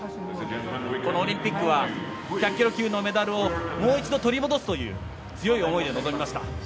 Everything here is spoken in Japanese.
オリンピックは１００ｋｇ級のメダルをもう一度取り戻すという強い思いで臨みました。